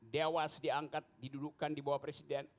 dewas diangkat didudukan di bawah presiden